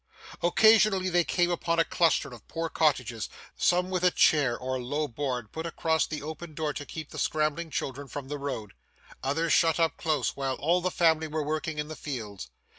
Occasionally they came upon a cluster of poor cottages, some with a chair or low board put across the open door to keep the scrambling children from the road, others shut up close while all the family were working in the fields.